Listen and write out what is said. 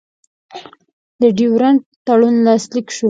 د ډیورنډ تړون لاسلیک شو.